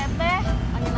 gak tau mau kemana